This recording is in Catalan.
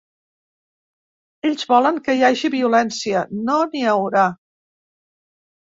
Ells volen que hi hagi violència; no n’hi haurà.